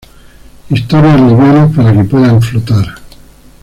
Historias livianas para que puedan flotar.